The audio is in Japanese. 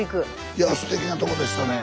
いやすてきなとこでしたね。